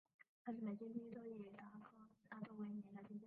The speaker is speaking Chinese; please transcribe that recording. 她是美军第一艘以北达科他州为名的军舰。